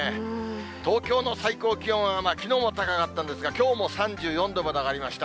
東京の最高気温はきのうも高かったんですが、きょうも３４度まで上がりました。